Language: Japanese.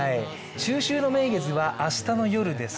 中秋の名月は明日の夜です。